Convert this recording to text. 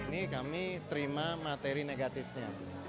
ini kami terima materi negatifnya